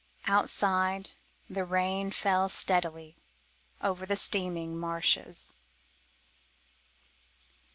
Outside the rain fell steadily over the steaming marshes.